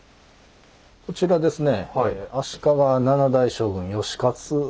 こちらですね